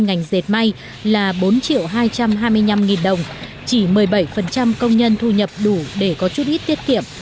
ngành dệt may là bốn hai trăm hai mươi năm nghìn đồng chỉ một mươi bảy công nhân thu nhập đủ để có chút ít tiết kiệm